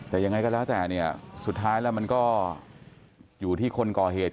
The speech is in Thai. แต่ยังไงก็แล้วแต่เนี่ยสุดท้ายแล้วมันก็อยู่ที่คนก่อเหตุ